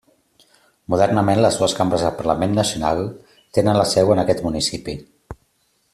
Modernament, les dues cambres del parlament nacional tenen la seu en aquest municipi.